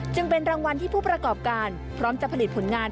จึงเป็นรางวัลที่ผู้ประกอบการพร้อมจะผลิตผลงาน